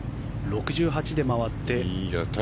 ６８で回って。